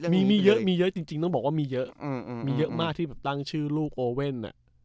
มีมีเยอะมีเยอะจริงต้องบอกว่ามีเยอะมีเยอะมากที่แบบตั้งชื่อลูกโอเว่น